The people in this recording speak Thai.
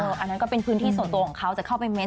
อันนั้นก็เป็นพื้นที่ส่วนตัวของเขาจะเข้าไปเม้นต